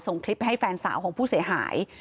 ส่งคลิปให้แฟนสาวของผู้เสียหาย